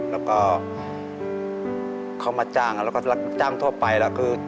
แล้วก็เขามาจ้างแล้วก็รับจ้างทั่วไปแล้วคือ